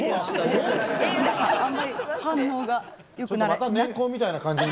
また年縞みたいな感じに。